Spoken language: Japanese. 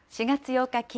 ４月８日